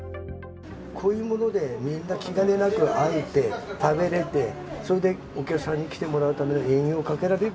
こういうものでみんな気兼ねなく会えて、食べれて、それでお客さんに来てもらうための営業をかけられる。